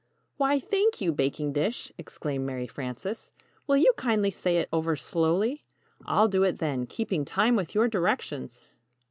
"Why, thank you, Baking Dish," exclaimed Mary Frances. "Will you kindly say it over slowly? I'll do it then, keeping time with your directions."